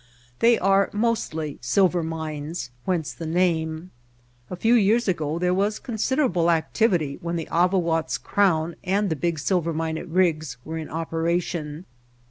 They are mostly silver mines, whence the name. A few years ago there was considerable activity when the Avawatz Crown and the big silver mine at Riggs were in opera tion.